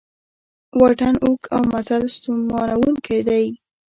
واټن اوږد او مزل ستومانوونکی دی